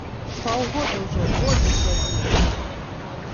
Паўгода ўжо во дзе сядзім!